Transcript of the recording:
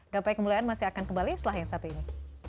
gapai kemuliaan masih akan kembali setelah yang satu ini